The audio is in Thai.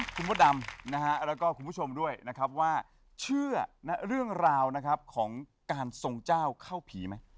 มดดำนะฮะแล้วก็คุณผู้ชมด้วยนะครับว่าเชื่อเรื่องราวนะครับของการทรงเจ้าเข้าผีไหม